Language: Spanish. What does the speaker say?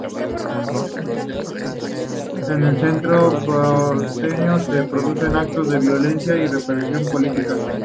En el centro porteño se produjeron actos de violencia y represión policial.